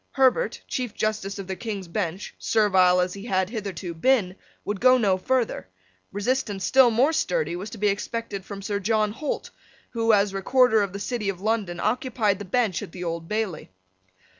Herbert, Chief Justice of the King's Bench, servile as he had hitherto been, would go no further. Resistance still more sturdy was to be expected from Sir John Holt, who, as Recorder of the City of London, occupied the bench at the Old Bailey.